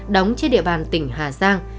đóng trên địa bàn tỉnh hà giang